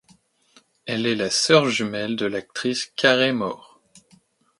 Elle est la sœur jumelle de l'actrice Carey More.